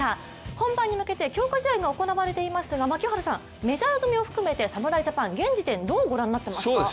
本番に向けて強化試合が行われていますが槙原さん、メジャー組を含めて侍ジャパン、現時点でどうご覧になっていますか？